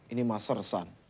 ini mah seresan